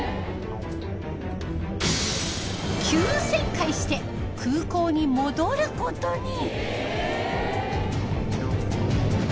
急旋回して空港に戻る事に。